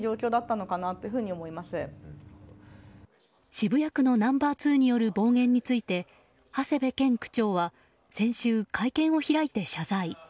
渋谷区のナンバー２による暴言について長谷部健区長は先週、会見を開いて謝罪。